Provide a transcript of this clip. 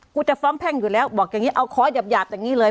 จะฟ้องแพ่งอยู่แล้วบอกอย่างนี้เอาขอหยาบอย่างนี้เลย